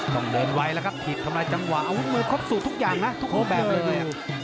ต้องโดนไวละครับผิดทำอะไรจังหวะอาวุธมือครบสูทุกอย่างนะทุกโครแบบเลย